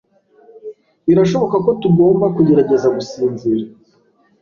Birashoboka ko tugomba kugerageza gusinzira.